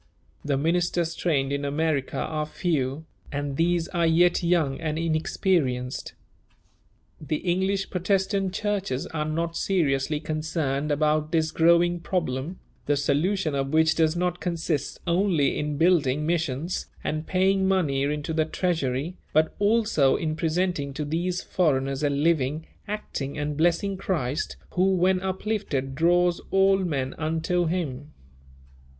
The ministers trained in America are few, and these are yet young and inexperienced. The English Protestant churches are not seriously concerned about this growing problem, the solution of which does not consist only in building missions and paying money into the treasury, but also in presenting to these foreigners a living, acting, and blessing Christ, who, when uplifted, draws all men unto Him.